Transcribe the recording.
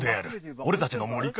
おれたちの森か？